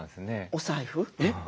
お財布。